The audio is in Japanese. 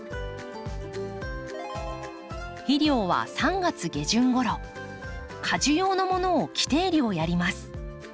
肥料は３月下旬ごろ果樹用のものを規定量やります。